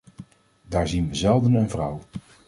Daar zien we zelden een vrouw.